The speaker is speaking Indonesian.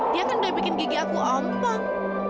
dia kan udah bikin gigi aku ontong